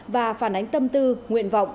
và phản ánh tâm tư nguyện vọng